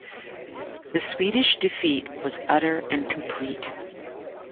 The Swedish defeat was utter and complete.